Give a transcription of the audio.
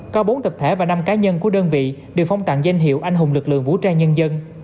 có bốn tập thể và năm cá nhân của đơn vị được phong tặng danh hiệu anh hùng lực lượng vũ trang nhân dân